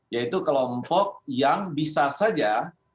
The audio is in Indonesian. yaitu kelompok yang bisa saja